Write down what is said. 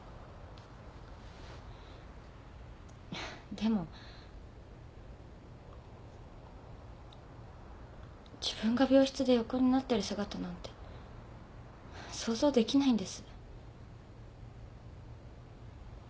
でも自分が病室で横になってる姿なんて想像できないんです。